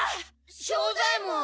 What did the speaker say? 庄左ヱ門。